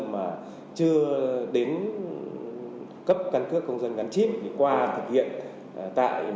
mà chưa đến cấp căn cước công dân gắn chip qua thực hiện tại một số xã thị trấn